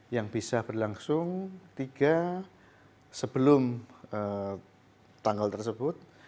yang bisa berlangsung tiga sebelum tanggal tersebut